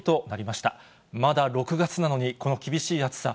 まだ６月なのに、この厳しい暑さ。